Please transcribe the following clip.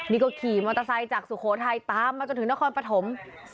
นี่ก็ขี่มอเตอร์ไซค์จากสุโขทัยตามมาจนถึงนครปฐม